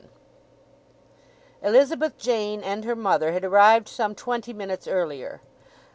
VII. Elizabeth Jane and her mother had arrived some twenty minutes earlier.